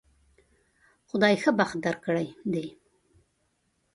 خدای ښه بخت درکړی دی